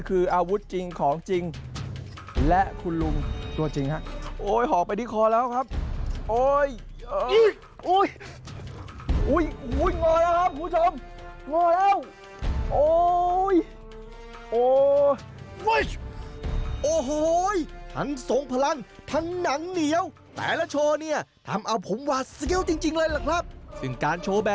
อู้ยแหลมแหลมมะ